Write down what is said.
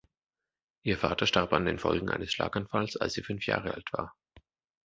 Ihr Vater starb an den Folgen eines Schlaganfalls, als sie fünf Jahre alt war.